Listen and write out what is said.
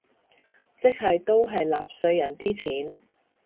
即係都係納稅人啲錢